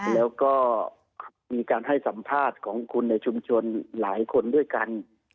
แล้วก็มีการให้สัมภาษณ์ของคนในชุมชนหลายคนด้วยกัน